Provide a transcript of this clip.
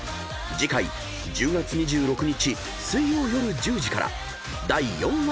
［次回１０月２６日水曜夜１０時から第４話放送］